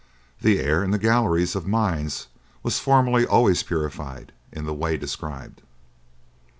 The air in the galleries of mines was formerly always purified in the way described.